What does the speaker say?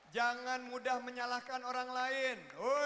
jangan mudah menyalahkan orang lain